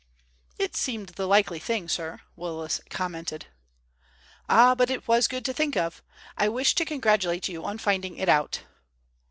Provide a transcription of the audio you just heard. "It seemed the likely thing, sir," Willis commented. "Ah, but it was good to think of. I wish to congratulate you on finding it out."